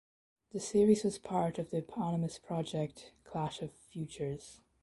The series was part of the eponymous project Clash of Futures.